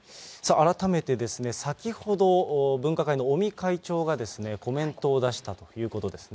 改めて、先ほど分科会の尾身会長がコメントを出したということですね。